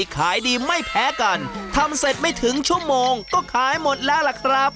ขายดีไม่แพ้กันทำเสร็จไม่ถึงชั่วโมงก็ขายหมดแล้วล่ะครับ